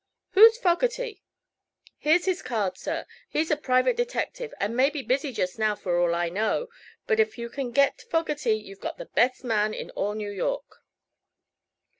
"Who's Fogerty?" "Here's his card, sir. He's a private detective, and may be busy just now, for all I know. But if you can get Fogerty you've got the best man in all New York."